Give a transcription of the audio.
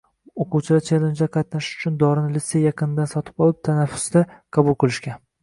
Oʻquvchilar chellenjda qatnashish uchun dorini litsey yaqinidan sotib olib, tanaffusda qabul qilishgan.